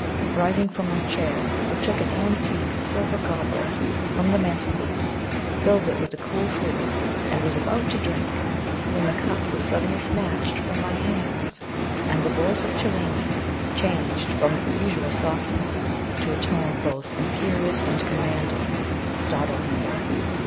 Rising from my chair, I took an antique silver goblet from the mantelpiece, filled it with the cool fluid, and was about to drink, when the cup was suddenly snatched from my hands, and the voice of Cellini, changed from its usual softness to a tone both imperious and commanding, startled me.